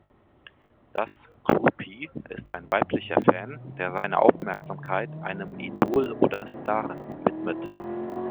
Das Groupie ist ein weiblicher Fan, der seine Aufmerksamkeit einem Idol oder Star widmet.